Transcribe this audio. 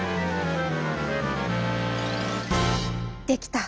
「できた」。